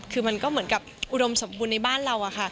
คือมันก็เหมือนกับอุดมสมบูรณ์ในบ้านเราอะค่ะ